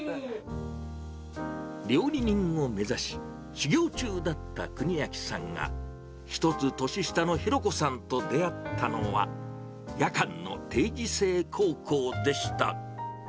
料理人を目指し、修業中だった邦昭さんが、一つ年下の博子さんと出会ったのは、夜間の定時制高校でした。